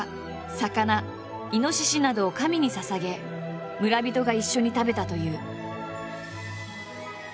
魚猪などを神にささげ村人が一緒に食べたという。